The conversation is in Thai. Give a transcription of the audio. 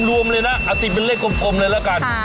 รวมเลยนะเอาติดเป็นเลขกลมเลยละกัน